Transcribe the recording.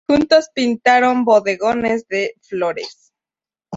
Juntos pintaron bodegones de flores.